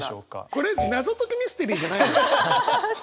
これ謎解きミステリーじゃないのよ。